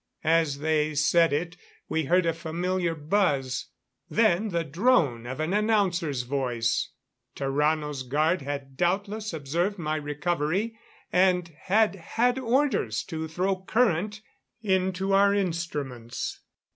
As they said it, we heard a familiar buzz; then the drone of an announcer's voice. Tarrano's guard had doubtless observed my recovery and had had orders to throw current into our instruments.